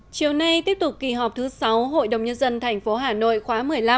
chiều nay tiếp tục kỳ họp thứ sáu hội đồng nhân dân tp hà nội khóa một mươi năm